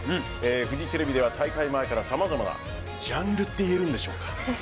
フジテレビでは大会前から様々なジャンルって言えるんでしょうか。